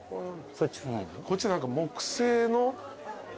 こっちは何か木製の。